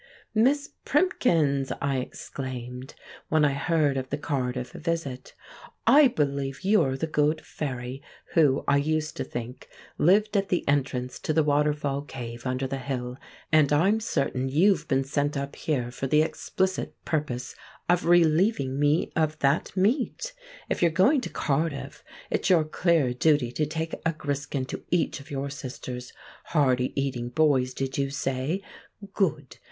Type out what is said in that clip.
"Miss Primkins!" I exclaimed, when I heard of the Cardiff visit, "I believe you're the good fairy who, I used to think, lived at the entrance to the waterfall cave under the hill; and I'm certain you've been sent up here for the explicit purpose of relieving me of that meat! If you're going to Cardiff, it's your clear duty to take a griskin to each of your sisters—hearty eating boys, did you say? Good!